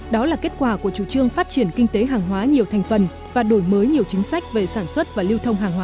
đó là kết quả của chủ trương phát triển kinh tế hàng hóa nhiều thành phần và đổi mới nhiều chính sách về sản xuất và lưu thông hàng hóa